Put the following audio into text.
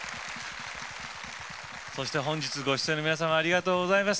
本日ご出演の皆様ありがとうございました。